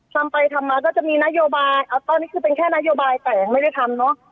ทำไปทำมาก็จะมีนโยบายตอนนี้คือเป็นแค่นโยบายแต่ยังไม่ได้ทำเนอะ